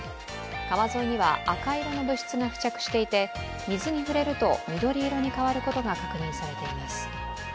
川沿いには赤色の物質が付着していて水に触れると緑色に変わることが確認されています。